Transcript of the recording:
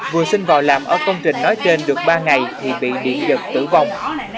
vừa sinh vào làm ở công trình nói trên được ba ngày thì bị điện giật tử vong